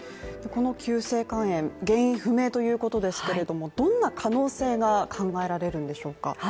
この急性肝炎、原因不明ということですけれども、どんな可能性が考えられるんでしょうか？